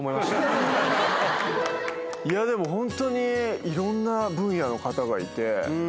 でもホントにいろんな分野の方がいて。